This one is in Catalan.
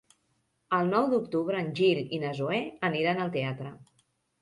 El nou d'octubre en Gil i na Zoè aniran al teatre.